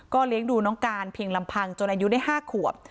เลี้ยงดูน้องการเพียงลำพังจนอายุได้๕ขวบ